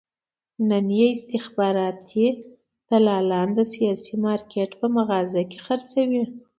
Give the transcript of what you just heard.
نن یې استخباراتي دلالان د سیاسي مارکېټ په مغازه کې خرڅوي.